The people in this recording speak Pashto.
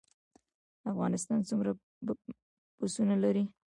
افغانستان څومره پسونه لري؟